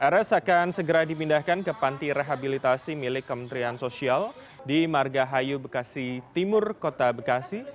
rs akan segera dipindahkan ke panti rehabilitasi milik kementerian sosial di margahayu bekasi timur kota bekasi